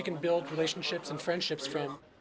dia bisa membangun hubungan dan teman